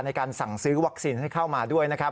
ในการสั่งซื้อวัคซีนให้เข้ามาด้วยนะครับ